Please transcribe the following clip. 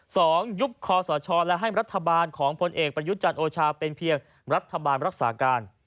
ยุบคอสชและให้รัฐบาลของพลเอกประยุทธ์จันทร์โอชาเป็นเพียงรัฐบาลรักษาการ